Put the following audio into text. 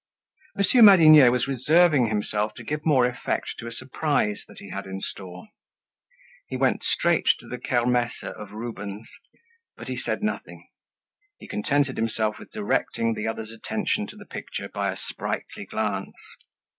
Monsieur Madinier was reserving himself to give more effect to a surprise that he had in store. He went straight to the "Kermesse" of Rubens; but still he said nothing. He contented himself with directing the others' attention to the picture by a sprightly glance.